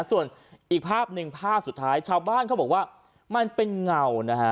ส่วนอีกภาพหนึ่งภาพสุดท้ายชาวบ้านเขาบอกว่ามันเป็นเงานะฮะ